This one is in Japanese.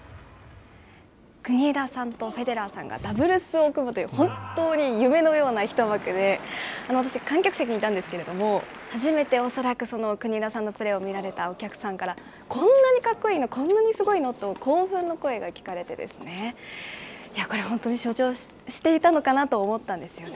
国枝さんとフェデラーさんがダブルスを組むという、本当に夢のような一幕で、私、観客席にいたんですけれども、初めて恐らく国枝さんのプレーを見られたお客さんから、こんなにかっこいいの、こんなにすごいのと、興奮の声が聞かれてですね、これ本当に象徴していたのではないかなと思ったんですよね。